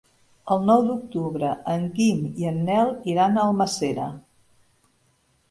El nou d'octubre en Guim i en Nel iran a Almàssera.